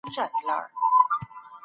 قاموسونه بايد وليکل شي.